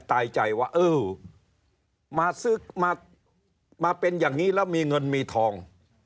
ตายใจว่ามาเป็นอย่างนี้แล้วมีเงินมีทอง